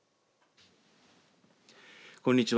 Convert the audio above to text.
こんにちは。